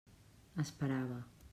Esperava.